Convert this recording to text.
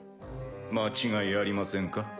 間違いありませんか？